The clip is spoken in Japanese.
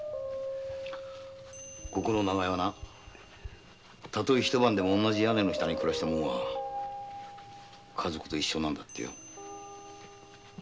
ここの長屋はなたとえひと晩でも同じ屋根の下に暮らした者は家族と一緒なんだってよ。